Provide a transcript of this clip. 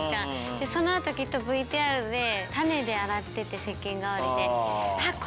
でそのあときっとＶＴＲで種で洗っててせっけん代わりで。